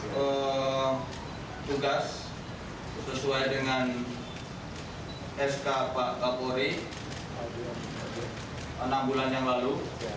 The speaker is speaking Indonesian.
tugas sesuai dengan sk pak kapolri enam bulan yang lalu